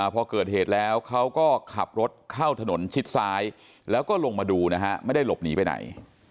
พอเกิดเหตุแล้วเขาก็ขับรถเข้าถนนชิดซ้ายแล้วก็ลงมาดูนะฮะไม่ได้หลบหนีไปไหน